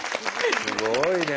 すごいね。